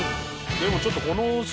でもちょっと。